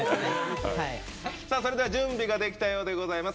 それでは準備ができたようです。